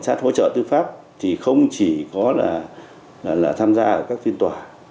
hỗ trợ tư pháp thì không chỉ có là tham gia các phiên tòa